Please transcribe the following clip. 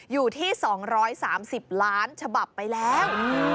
อยู่ที่๒๓๐ล้านฉบับไปแล้ว